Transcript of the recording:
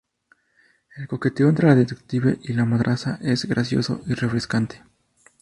El coqueteo entre el Detective y la Madraza es gracioso y refrescante.